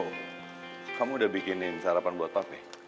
wow kamu udah bikinin sarapan buat papi